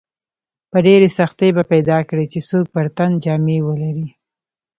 په ډېرې سختۍ به پیدا کړې چې څوک پر تن جامې ولري.